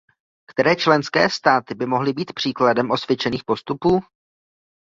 Které členské státy by mohly být příkladem osvědčených postupů?